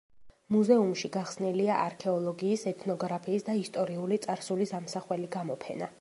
მუზეუმში გახსნილია არქეოლოგიის, ეთნოგრაფიის და ისტორიული წარსულის ამსახველი გამოფენა.